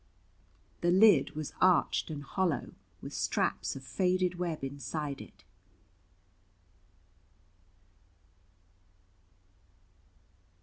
The lid was arched and hollow, with straps of faded web inside it.